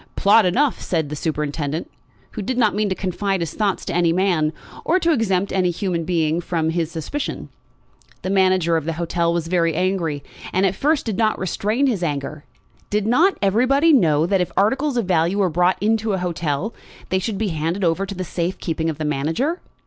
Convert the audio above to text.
"Plot enough," said the superintendent, who did not mean to confide his thoughts to any man, or to exempt any human being from his suspicion. The manager of the hotel was very angry, and at first did not restrain his anger. Did not everybody know that if articles of value were brought into an hotel they should be handed over to the safe keeping of the manager?